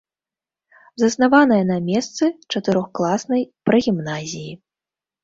Заснаваная на месцы чатырохкласнай прагімназіі.